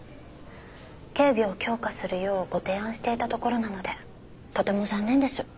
警備を強化するようご提案していたところなのでとても残念です。